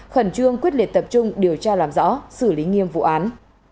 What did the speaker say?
khẩn trương quyết liệt tập trung điều tra làm rõ xử lý nghiêm vụ án